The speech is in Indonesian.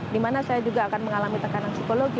di mana saya juga akan mengalami tekanan psikologi